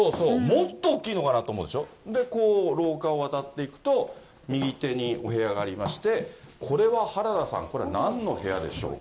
そうそう、こう廊下を渡っていくと、右手にお部屋がありまして、これは原田さん、これはなんの部屋でしょうか。